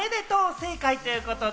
正解！ということで。